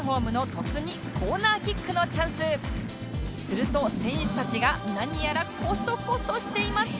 すると選手たちが何やらコソコソしています